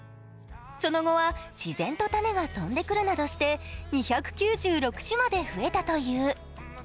その後は自然と種が飛んでくるなどして２９６種まで増えたという。